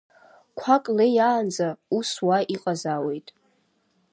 Қәак леиаанӡа, ус уа иҟазаауеит.